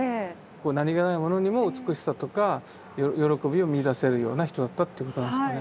何気ないものにも美しさとか喜びを見いだせるような人だったということなんですかね。